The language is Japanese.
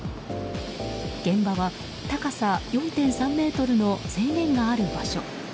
現場は高さ４．３ｍの制限がある場所。